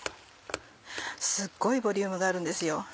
すっごいボリュームがあるんですよ。